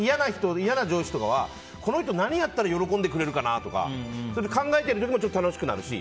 嫌な上司とかはこの人何やったら喜んでくれるかなとか考えてるだけで楽しくなってくるし。